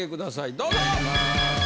どうぞ。